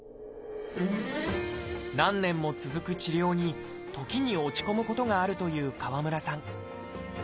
何年も続く治療に時に落ち込むことがあるという川村さん